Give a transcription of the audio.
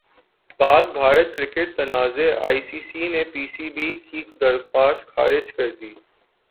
پاک بھارت کرکٹ تنازع I C سی نے پی سی بی کی درخواست خارج کردی